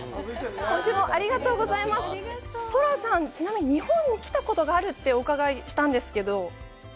ソラさん、ちなみに日本に来たことがあるってお伺いしたんですけど。